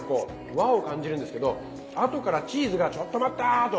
和を感じるんですけど後からチーズがちょっと待った！と。